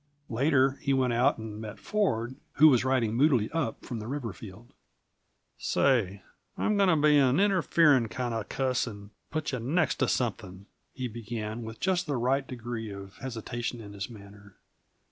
Later he went out and met Ford, who was riding moodily up from the river field. "Say, I'm going to be an interfering kind of a cuss, and put you next to something," he began, with just the right degree of hesitation in his manner.